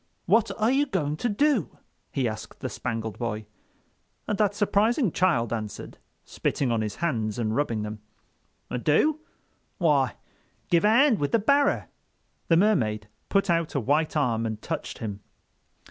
"What are you going to do?" he asked the Spangled Boy. And that surprising child answered, spitting on his hands and rubbing them: "Do? Why, give a 'and with the barrer." The Mermaid put out a white arm and touched him.